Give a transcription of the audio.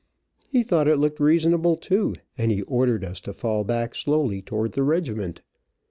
He thought it looked reasonable, too, and he ordered us to fall back slowly toward the regiment.